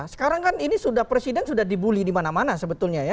sekarang kan ini sudah presiden sudah dibully di mana mana sebetulnya ya